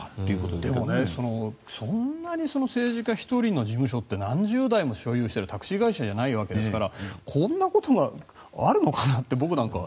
でも、そんなに政治家１人の事務所って何十台も所有しているタクシー会社じゃないわけですからこんなことがあるのかなって僕なんかは。